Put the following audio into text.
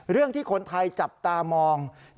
เรื่องที่คนไทยจับตามอง